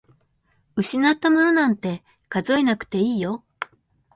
失ったものなんて数えなくていいよ。